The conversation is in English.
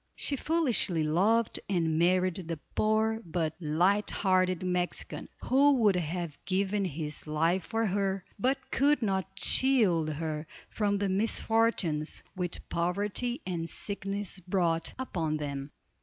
She foolishly loved and married the poor but light hearted Mexican, who would have given his life for her, but could not shield her from the misfortunes which poverty and sickness brought upon them.